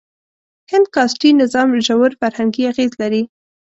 هند کاسټي نظام ژور فرهنګي اغېز لري.